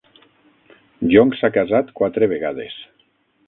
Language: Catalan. Jong s'ha casat quatre vegades.